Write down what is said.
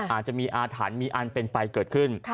อาจจะมีอาถรรพ์มีอันเป็นไปเกิดขึ้น